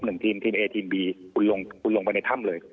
หนึ่งทีมทีนเอทีนบีคุณลงคุณลงไปในถ้ำเลย